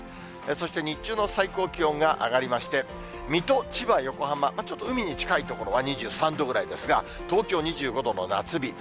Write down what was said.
そして日中の最高気温が上がりまして、水戸、千葉、横浜、ちょっと海に近い所は２３度ぐらいですが、東京２５度の夏日。